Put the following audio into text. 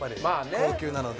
高級なので。